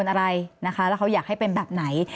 อะไรนะคะแล้วเขาอยากให้เป็นแบบไหน